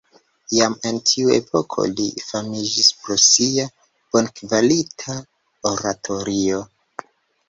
Jam en tiu epoko li famiĝis pro sia bonkvalita oratorio.